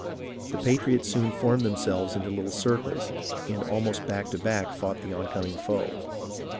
The patriots soon formed themselves into Uttle circles, and almost back to back fought the oncoming foe.